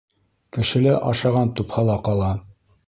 Кешелә ашаған тупһала ҡала.